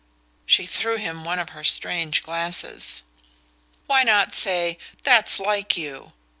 She threw him one of her strange glances. "Why not say: 'That's like you?'